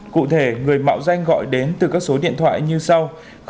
cụ thể người mạo danh gọi đến từ các số điện thoại như sau